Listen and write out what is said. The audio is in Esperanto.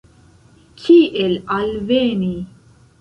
Kiel alveni?